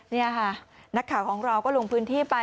นี่ค่ะนักข่าวของเราก็ลงพื้นที่ไป